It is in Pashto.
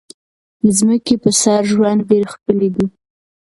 د ځمکې په سر ژوند ډېر ښکلی دی.